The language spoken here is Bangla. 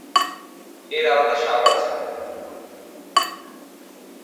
এর আলাদা স্বাদ আছে।